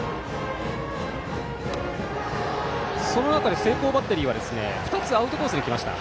その中で聖光バッテリーは２つアウトコースに来ました。